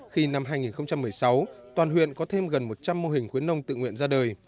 khi năm hai nghìn một mươi sáu toàn huyện có thêm gần một trăm linh mô hình khuyến nông tự nguyện ra đời